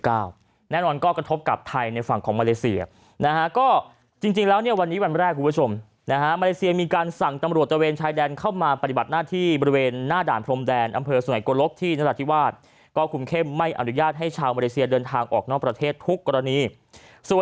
แน่นอนก็กระทบกับไทยในฝั่งของมาเลเซียนะฮะก็จริงแล้วเนี่ยวันนี้วันแรกคุณผู้ชมนะฮะมาเลเซียมีการสั่งตำรวจตะเวนชายแดนเข้ามาปฏิบัติหน้าที่บริเวณหน้าด่านพรมแดนอำเภอสุไงโกลกที่นราธิวาสก็คุมเข้มไม่อนุญาตให้ชาวมาเลเซียเดินทางออกนอกประเทศทุกกรณีส่วน